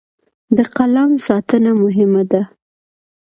د قلم ساتنه مهمه ده.